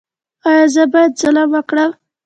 ایا زه باید ظلم وکړم؟